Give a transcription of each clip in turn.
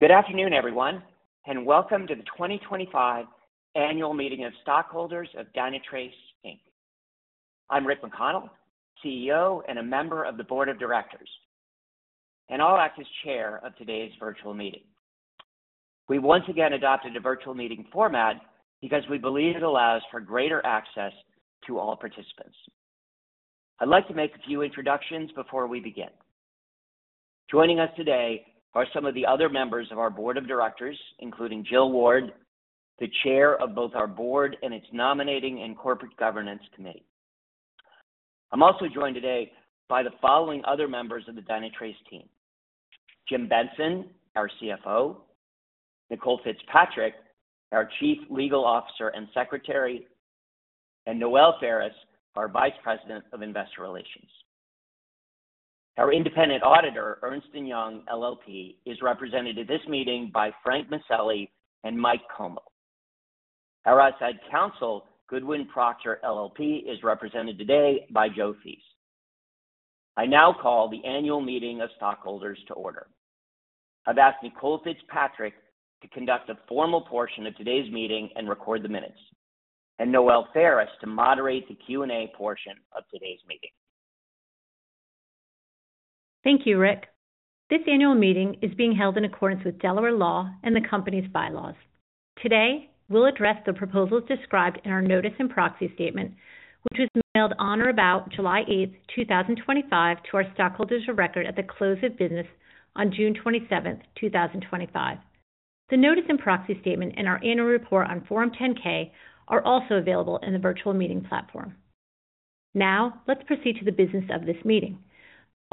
Good afternoon, everyone, and welcome to the 2025 annual meeting of stockholders of Dynatrace Inc. I'm Rick McConnell, CEO and a member of the board of directors, and I'll act as chair of today's virtual meeting. We once again adopted a virtual meeting format because we believe it allows for greater access to all participants. I'd like to make a few introductions before we begin. Joining us today are some of the other members of our board of directors, including Jill Ward, the Chair of both our Board and its Nominating and Corporate Governance Committee. I'm also joined today by the following other members of the Dynatrace team: Jim Benson, our CFO; Nicole Fitzpatrick, our Chief Legal Officer and Secretary; and Noelle Faris, our Vice President of Investor Relations. Our independent auditor, Ernst & Young LLP, is represented at this meeting by Frank Maselli and Michael Comeau. Our outside counsel, Goodwin Procter LLP, is represented today by Joe Fees. I now call the annual meeting of stockholders to order. I've asked Nicole Fitzpatrick to conduct a formal portion of today's meeting and record the minutes, and Noelle Faris to moderate the Q&A portion of today's meeting. Thank you, Rick. This annual meeting is being held in accordance with Delaware law and the company's bylaws. Today, we'll address the proposals described in our notice and proxy statement, which was mailed on or about July 8, 2025, to our stockholders of record at the close of business on June 27, 2025. The notice and proxy statement and our annual report on Form 10K are also available in the virtual meeting platform. Now, let's proceed to the business of this meeting.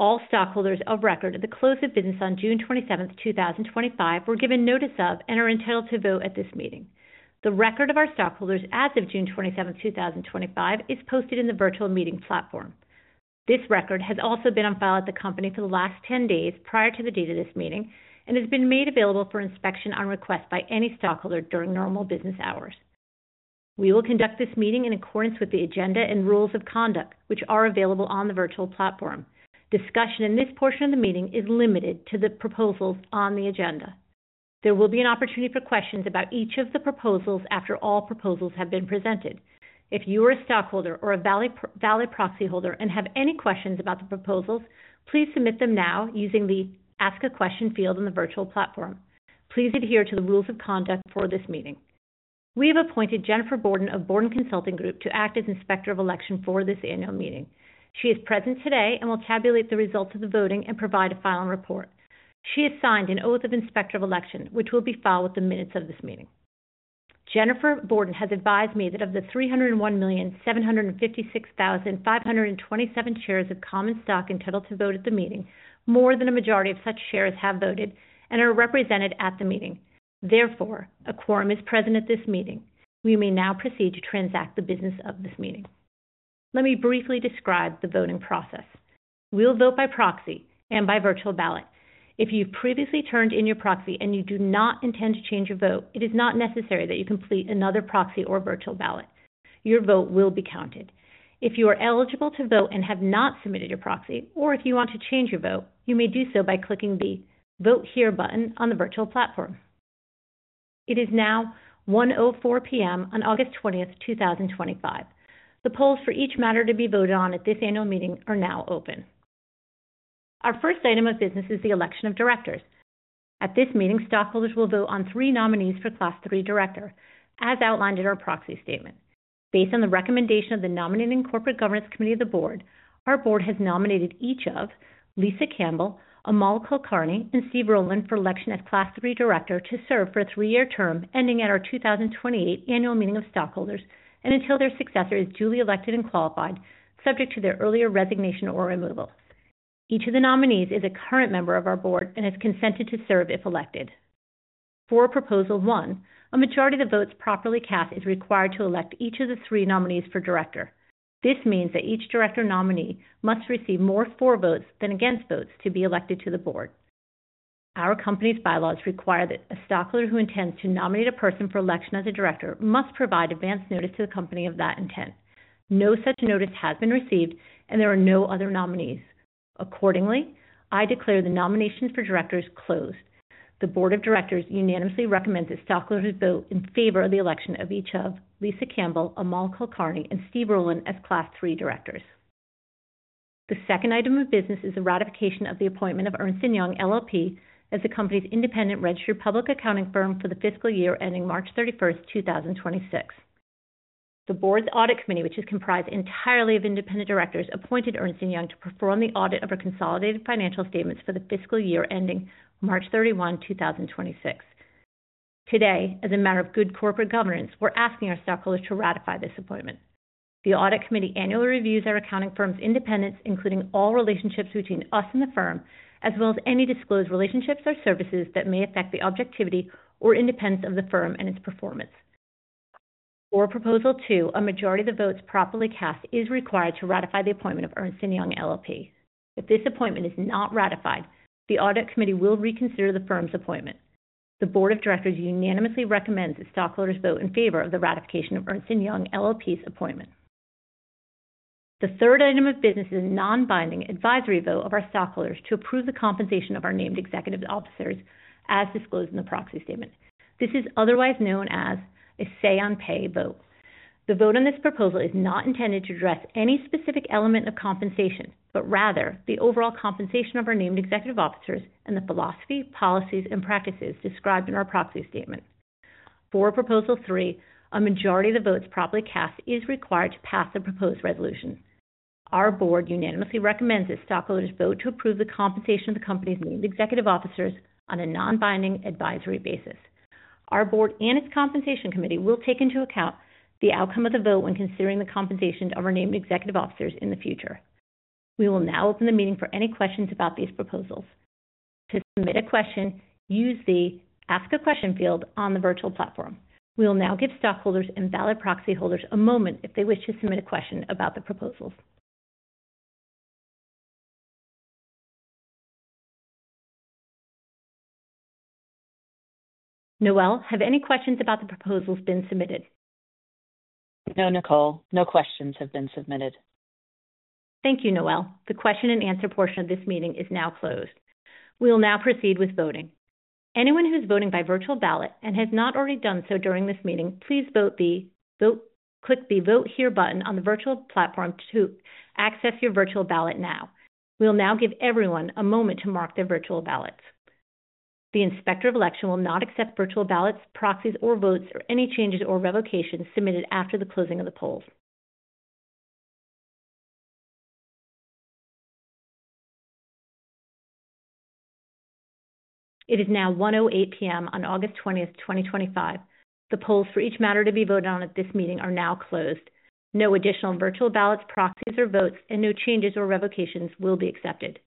All stockholders of record at the close of business on June 27, 2025, were given notice of and are entitled to vote at this meeting. The record of our stockholders as of June 27, 2025, is posted in the virtual meeting platform. This record has also been on file at the company for the last 10 days prior to the date of this meeting and has been made available for inspection on request by any stockholder during normal business hours. We will conduct this meeting in accordance with the agenda and rules of conduct, which are available on the virtual platform. Discussion in this portion of the meeting is limited to the proposals on the agenda. There will be an opportunity for questions about each of the proposals after all proposals have been presented. If you are a stockholder or a valid proxy holder and have any questions about the proposals, please submit them now using the Ask a Question field on the virtual platform. Please adhere to the rules of conduct for this meeting. We have appointed Jennifer Borden of Borden Consulting Group to act as inspector of election for this annual meeting. She is present today and will tabulate the results of the voting and provide a final report. She has signed an oath of inspector of election, which will be filed with the minutes of this meeting. Jennifer Borden has advised me that of the 301,756,527 shares of common stock entitled to vote at the meeting, more than a majority of such shares have voted and are represented at the meeting. Therefore, a quorum is present at this meeting. We may now proceed to transact the business of this meeting. Let me briefly describe the voting process. We'll vote by proxy and by virtual ballot. If you've previously turned in your proxy and you do not intend to change your vote, it is not necessary that you complete another proxy or virtual ballot. Your vote will be counted. If you are eligible to vote and have not submitted your proxy, or if you want to change your vote, you may do so by clicking the Vote Here button on the virtual platform. It is now 1:04 P.M. on August 20, 2025. The polls for each matter to be voted on at this annual meeting are now open. Our first item of business is the election of directors. At this meeting, stockholders will vote on three nominees for Class III Director, as outlined in our proxy statement. Based on the recommendation of the Nominating and Corporate Governance Committee of the board, our board has nominated each of Lisa Campbell, Amol Kulkarni, and Steve Rowland for election as Class III Director to serve for a three-year term ending at our 2028 annual meeting of stockholders and until their successor is duly elected and qualified, subject to their earlier resignation or removal. Each of the nominees is a current member of our board and has consented to serve if elected. For Proposal 1, a majority of the votes properly cast is required to elect each of the three nominees for director. This means that each director nominee must receive more for votes than against votes to be elected to the board. Our company's bylaws require that a stockholder who intends to nominate a person for election as a director must provide advance notice to the company of that intent. No such notice has been received, and there are no other nominees. Accordingly, I declare the nominations for directors closed. The board of directors unanimously recommends that stockholders vote in favor of the election of each of Lisa Campbell, Amol Kulkarni, and Steve Rowland as Class III Directors. The second item of business is the ratification of the appointment of Ernst & Young LLP as the company's independent registered public accounting firm for the fiscal year ending March 31, 2026. The board's Audit Committee, which is comprised entirely of independent directors, appointed Ernst & Young to perform the audit of our consolidated financial statements for the fiscal year ending March 31, 2026. Today, as a matter of good corporate governance, we're asking our stockholders to ratify this appointment. The Audit Committee annually reviews our accounting firm's independence, including all relationships between us and the firm, as well as any disclosed relationships or services that may affect the objectivity or independence of the firm and its performance. For Proposal 2, a majority of the votes properly cast is required to ratify the appointment of Ernst & Young LLP. If this appointment is not ratified, the Audit Committee will reconsider the firm's appointment. The Board of Directors unanimously recommends that stockholders vote in favor of the ratification of Ernst & Young LLP's appointment. The third item of business is a non-binding advisory vote of our stockholders to approve the compensation of our named executive officers, as disclosed in the proxy statement. This is otherwise known as a say-on-pay vote. The vote on this proposal is not intended to address any specific element of compensation, but rather the overall compensation of our named executive officers and the philosophy, policies, and practices described in our proxy statement. For Proposal 3, a majority of the votes properly cast is required to pass the proposed resolution. Our Board unanimously recommends that stockholders vote to approve the compensation of the company's named executive officers on a non-binding advisory basis. Our Board and its Compensation Committee will take into account the outcome of the vote when considering the compensation of our named executive officers in the future. We will now open the meeting for any questions about these proposals. To submit a question, use the Ask a Question field on the virtual platform. We will now give stockholders and valid proxy holders a moment if they wish to submit a question about the proposals. Noelle, have any questions about the proposals been submitted? No, Nicole. No questions have been submitted. Thank you, Noelle. The question and answer portion of this meeting is now closed. We will now proceed with voting. Anyone who is voting by virtual ballot and has not already done so during this meeting, please click the Vote Here button on the virtual platform to access your virtual ballot now. We will now give everyone a moment to mark their virtual ballots. The Inspector of Election will not accept virtual ballots, proxies, or votes, or any changes or revocations submitted after the closing of the polls. It is now 1:08 P.M. on August 20, 2025. The polls for each matter to be voted on at this meeting are now closed. No additional virtual ballots, proxies, or votes, and no changes or revocations will be accepted.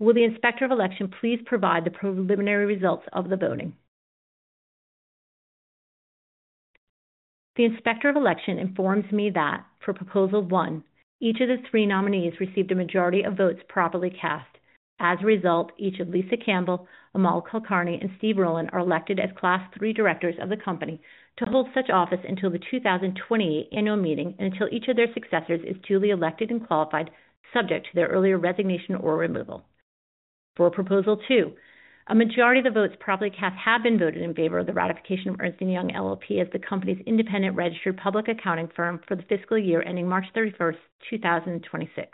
Will the Inspector of Election please provide the preliminary results of the voting? The Inspector of Election informs me that for Proposal 1, each of the three nominees received a majority of votes properly cast. As a result, each of Lisa Campbell, Amol Kulkarni, and Steve Rowland are elected as Class III Directors of the company to hold such office until the 2028 annual meeting and until each of their successors is duly elected and qualified, subject to their earlier resignation or removal. For Proposal 2, a majority of the votes properly cast have been voted in favor of the ratification of Ernst & Young LLP as the company's independent registered public accounting firm for the fiscal year ending March 31, 2026.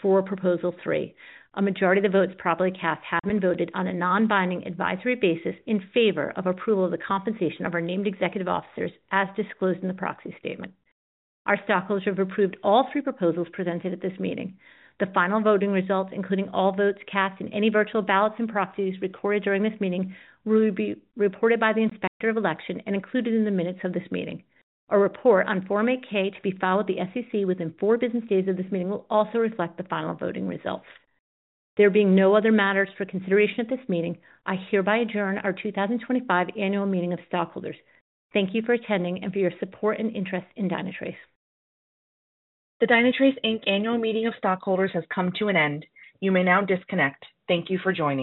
For Proposal 3, a majority of the votes properly cast have been voted on a non-binding advisory basis in favor of approval of the compensation of our named executive officers, as disclosed in the proxy statement. Our stockholders have approved all three proposals presented at this meeting. The final voting results, including all votes cast in any virtual ballots and proxies recorded during this meeting, will be reported by the Inspector of Election and included in the minutes of this meeting. A report on Form 8K to be filed with the SEC within four business days of this meeting will also reflect the final voting results. There being no other matters for consideration at this meeting, I hereby adjourn our 2025 annual meeting of stockholders. Thank you for attending and for your support and interest in Dynatrace. The Dynatrace Inc. annual meeting of stockholders has come to an end. You may now disconnect. Thank you for joining.